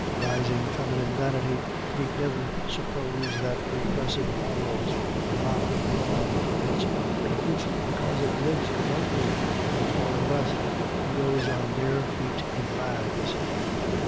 Rising feminine vanity need never suppose that repressive morals will not be drawn for its behoof because it lives remotely in the far west, and goes on bare feet in rags.